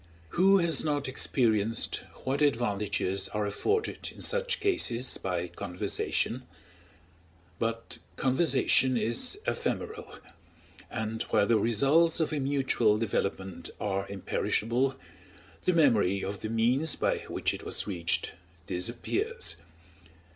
Who has not experienced what advantages are afforded in such cases by conversation? But conversation is ephemeral; and while the results of a mutual development are imperishable, the memory of the means by which it was reached disappears.